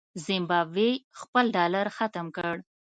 زمبابوې خپل ډالر ختم کړ.